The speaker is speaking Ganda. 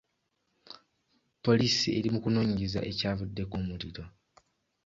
Poliisi eri mu kunoonyereza ekyavuddeko omuliro.